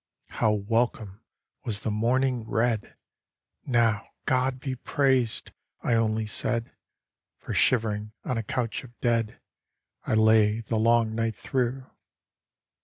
How welcome was the morning red! "Now, God be praised!" I only said, For shivering on a couch of dead I lay the long night through.